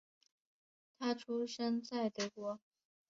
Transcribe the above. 他出生在德国。